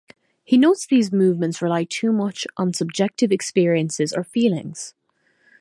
He notes these movements rely too much on subjective experiences or feelings.